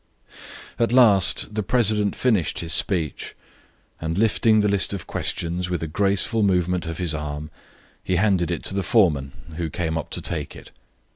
At last the president finished his speech, and lifting the list of questions with a graceful movement of his arm he handed it to the foreman, who came up to take it.